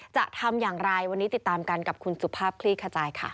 จะทำอย่างไรวันนี้ติดตามกันกับคุณสุภาพคลี่ขจายค่ะ